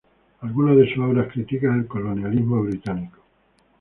Algunas de sus obras critican el colonialismo británico.